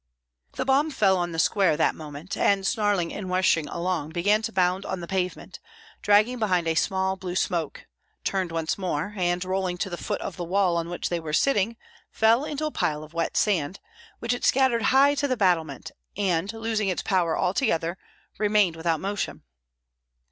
The bomb fell on the square that moment, and snarling and rushing along began to bound on the pavement, dragging behind a small blue smoke, turned once more, and rolling to the foot of the wall on which they were sitting, fell into a pile of wet sand, which it scattered high to the battlement, and losing its power altogether, remained without motion.